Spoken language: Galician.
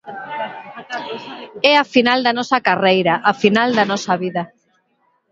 É a final da nosa carreira, a final da nosa vida.